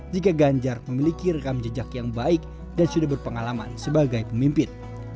jika ganjar memiliki rekam jejak yang baik dan sudah berpengalaman sebagai pemimpin